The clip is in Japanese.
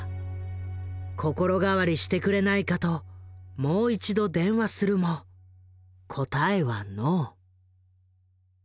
心変わりしてくれないかともう一度電話するも答えはノー。